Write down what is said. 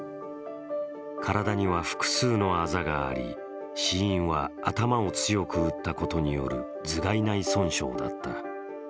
体には複数のあざがあり死因は頭を強く打ったことによる頭蓋内損傷だった。